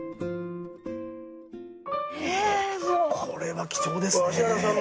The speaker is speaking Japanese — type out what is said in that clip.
これは貴重ですね。